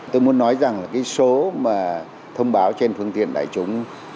tôi muốn nói rằng là cái số mà thông báo trên phương tiện đại chúng